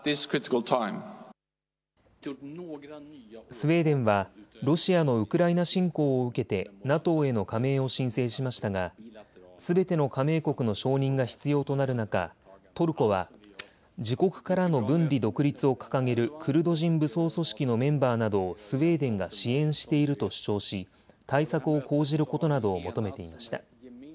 スウェーデンはロシアのウクライナ侵攻を受けてＮＡＴＯへの加盟を申請しましたがすべての加盟国の承認が必要となる中、トルコは自国からの分離独立を掲げるクルド人武装組織のメンバーなどをスウェーデンが支援していると主張し対策を講じることなどを求めていました。